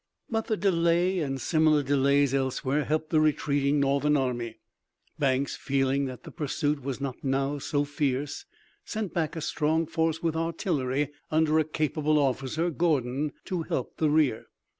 But the delay and similar delays elsewhere helped the retreating Northern army. Banks, feeling that the pursuit was not now so fierce, sent back a strong force with artillery under a capable officer, Gordon, to help the rear.